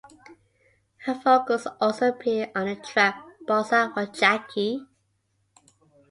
Her vocals also appear on the track "Bossa for Jackie".